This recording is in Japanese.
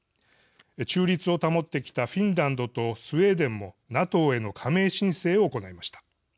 中立を保ってきたフィンランドとスウェーデンもＮＡＴＯへの加盟申請を行いました。